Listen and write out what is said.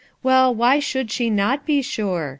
Well, why should she not be sure